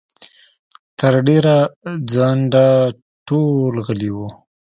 تر ډېره ځنډه ټول غلي وو.